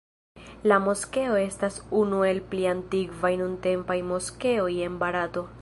La moskeo estas unu el pli antikvaj nuntempaj moskeoj en Barato.